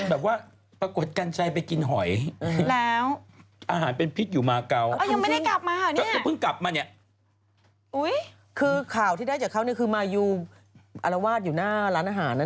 แล้วก็มีพรีร้านหลังเที่ยงคืนด้วยนะคะ